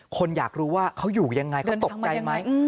คนอยากรู้ว่าเขาอยู่ยังไงเขาตกใจไหม